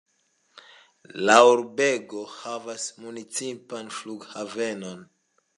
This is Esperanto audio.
La urbego havas municipan flughavenon.